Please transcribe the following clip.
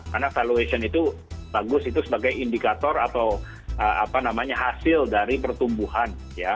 karena valuation itu bagus itu sebagai indikator atau hasil dari pertumbuhan